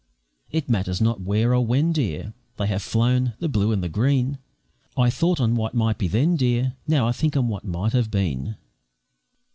It matters not where or when, dear, They have flown, the blue and the green, I thought on what might be then, dear, Now I think on what might have been.